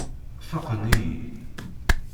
Faqen-iyi.